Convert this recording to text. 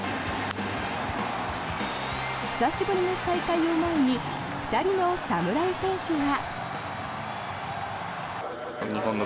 久しぶりの再会を前に２人の侍戦士は。